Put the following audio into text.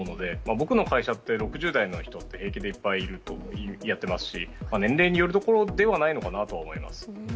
僕の会社って６０代の人平気でいっぱいいますし年齢によるところではないのかなと思います。